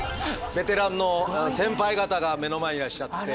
ベテランの先輩方が目の前にいらっしゃって。